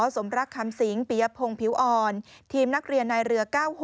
สมรักคำสิงปียพงศ์ผิวอ่อนทีมนักเรียนในเรือ๙๖